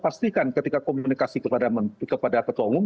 pastikan ketika komunikasi kepada ketua umum